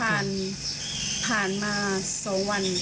ผ่านมาสองวัน